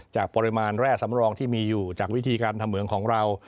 จากปริมาณแร่สำรองที่มีอยู่จากวิธีการทำเหมืองของเรา